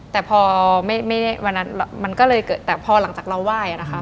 แต่พอไม่ได้วันนั้นมันก็เลยเกิดแต่พอหลังจากเราไหว้นะคะ